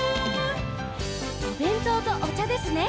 「おべんとうとおちゃですね